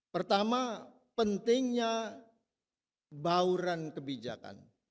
pertama pentingnya bauran kebijakan